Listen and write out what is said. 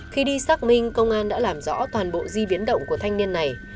khi đi xác minh công an đã làm rõ toàn bộ di biến động của thanh niên này